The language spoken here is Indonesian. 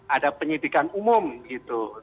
ada penyidikan umum gitu